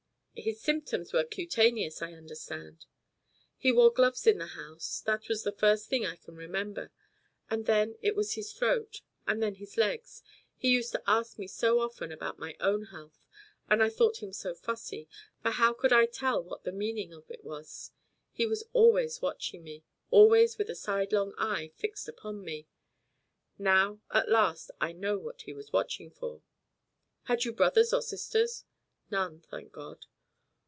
"His symptoms were cutaneous, I understand." "He wore gloves in the house. That was the first thing I can remember. And then it was his throat. And then his legs. He used to ask me so often about my own health, and I thought him so fussy, for how could I tell what the meaning of it was. He was always watching me always with a sidelong eye fixed upon me. Now, at last, I know what he was watching for." "Had you brothers or sisters?" "None, thank God."